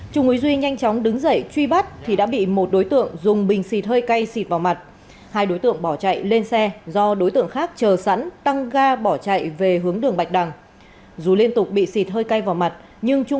trung úy duy nhanh chóng đứng dậy truy bắt thì đã bị một đối tượng dùng bình xịt hơi cay xịt vào mặt hai đối tượng bỏ chạy lên xe do đối tượng khác chờ sẵn tăng ga bỏ chạy về hướng đường bạch đằng